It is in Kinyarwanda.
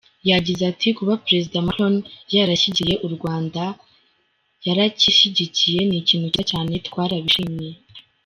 Yagize ati ‘‘Kuba Perezida Macron yarashyigikiye u Rwanda, yaranshyigikiye ni ikintu cyiza cyane twarabishimye.